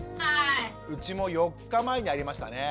うちも４日前にありましたね。